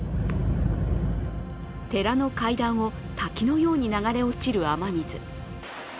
寺の階段を滝のように流れ落ちる雨水。